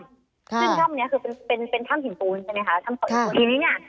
ซึ่งถ้ำนี้คือเป็นถ้ำหิ่นปูนใช่ไหมคะ